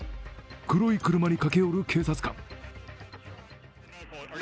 黒い車に駆け寄る警察官。